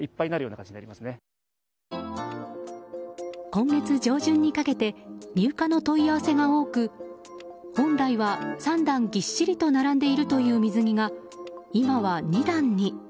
今月上旬にかけて入荷の問い合わせが多く本来は３段ぎっしりと並んでいるという水着が今は２段に。